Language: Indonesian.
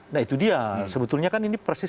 nah itu dia sebetulnya kan ini persis